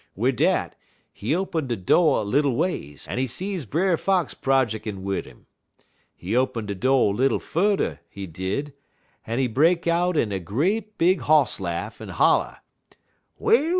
Wid dat, he open de do' little ways, en he see Brer Fox projickin' wid 'im. He open de do' little furder, he did, en he break out in a great big hoss laff, en holler: "'Well!